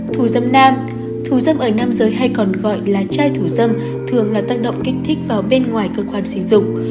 thù dâm nam thù dâm ở nam giới hay còn gọi là trai thù dâm thường là tăng động kích thích vào bên ngoài cơ quan sử dụng